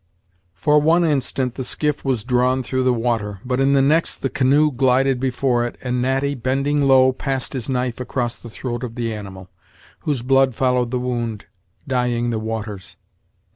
For one instant the skiff was drawn through the water, but in the next the canoe glided before it, and Natty, bending low, passed his knife across the throat of the animal, whose blood followed the wound, dyeing the waters.